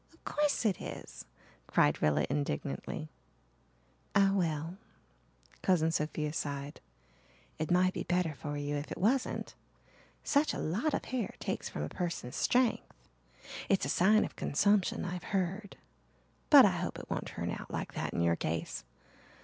"Of course it is," cried Rilla indignantly. "Ah, well!" Cousin Sophia sighed. "It might be better for you if it wasn't! Such a lot of hair takes from a person's strength. It's a sign of consumption, I've heard, but I hope it won't turn out like that in your case.